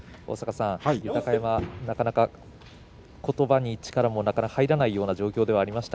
豊山、なかなかことばに力も入らないような状況でした。